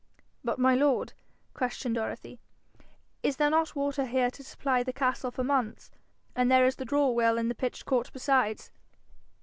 'But, my lord,' questioned Dorothy, 'is there not water here to supply the castle for months? And there is the draw well in the pitched court besides.'